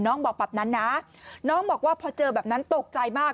บอกแบบนั้นนะน้องบอกว่าพอเจอแบบนั้นตกใจมาก